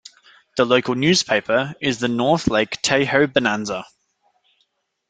The local newspaper is the "North Lake Tahoe Bonanza".